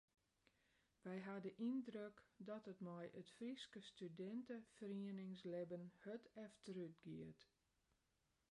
Wy ha de yndruk dat it mei it Fryske studinteferieningslibben hurd efterútgiet.